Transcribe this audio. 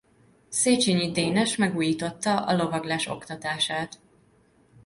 Széchényi Dénes megújította a lovaglás oktatását.